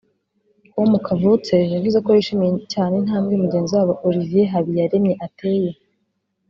com Kavutse yavuze ko yishimiye cyane intambwe mugenzi wabo (Olivier Habiyaremye) ateye